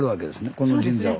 この神社を。